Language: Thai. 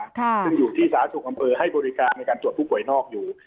ซึ่งอยู่ที่สาธารณสุขอำเภอให้บริการในการตรวจผู้ป่วยนอกอยู่